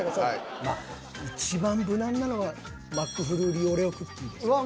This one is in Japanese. まあいちばん無難なのはマックフルーリーオレオクッキーでしょ。